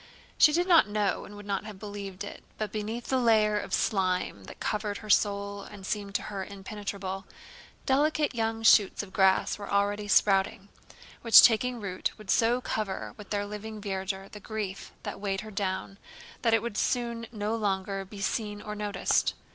She did not know and would not have believed it, but beneath the layer of slime that covered her soul and seemed to her impenetrable, delicate young shoots of grass were already sprouting, which taking root would so cover with their living verdure the grief that weighed her down that it would soon no longer be seen or noticed.